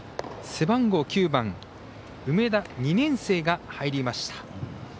背番号９番梅田、２年生が入りました。